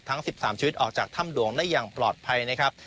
ทั้ง๑๓ชีวิตออกจากถ้ำหลวงได้อย่างปลอดภัยนะครับ